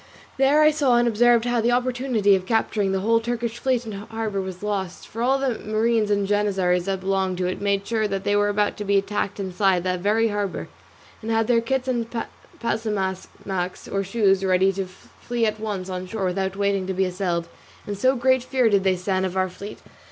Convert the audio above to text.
There I saw and observed how the opportunity of capturing the whole Turkish fleet in harbour was lost; for all the marines and janizzaries that belonged to it made sure that they were about to be attacked inside the very harbour, and had their kits and pasamaques, or shoes, ready to flee at once on shore without waiting to be assailed, in so great fear did they stand of our fleet.